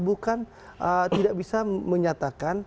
bukan tidak bisa menyatakan